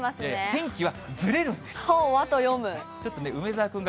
天気はずれるんです。